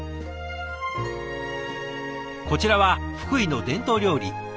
こちらは福井の伝統料理へしこ。